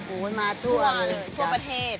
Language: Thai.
โอ้โฮมาทั่วเลยทั่วประเทศ